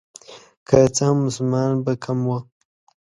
که څه هم مسلمانان به کم وو.